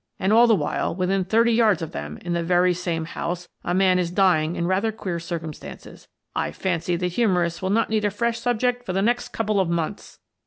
And all the while, within thirty yards of them, in the very same house, a man is dying in rather queer circumstances. I fancy the humourists will not need a fresh subject for the next couple of months."